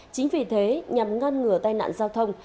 chính vì thế nhằm ngăn ngừa tai nạn giao thông